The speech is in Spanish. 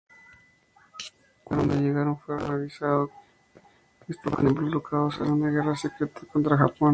Cuando llegaron fueron avisado de que estaban involucrados en una guerra secreta contra Japón.